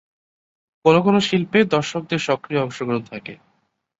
কোনো কোনো শিল্পে দর্শকদের সক্রিয় অংশগ্রহণ থাকে।